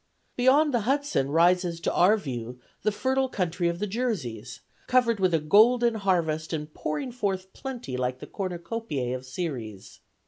Beyond the Hudson rises to our view the fertile country of the Jerseys, covered with a golden harvest, and pouring forth plenty like the cornucopiae of Ceres.